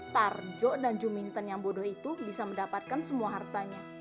tarjo dan juminton yang bodoh itu bisa mendapatkan semua hartanya